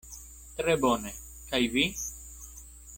Tre bone; kaj vi?